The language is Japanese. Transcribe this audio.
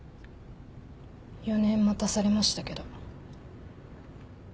４年待たされましたけど。